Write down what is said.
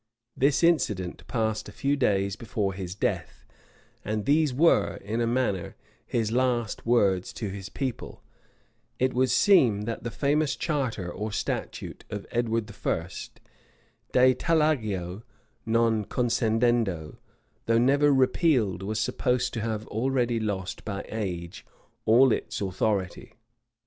[*] This incident passed a few days before his death; and these were, in a manner, his last words to his people. It would seem that the famous charter or statute of Edward I., "de tallagio non concedendo," though never repealed, was supposed to have already lost by age all its authority.